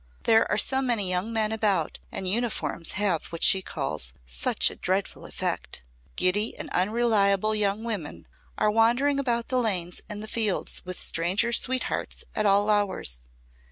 There are so many young men about and uniforms have what she calls 'such a dreadful effect.' Giddy and unreliable young women are wandering about the lanes and fields with stranger sweethearts at all hours.